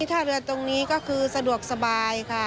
ท่าเรือตรงนี้ก็คือสะดวกสบายค่ะ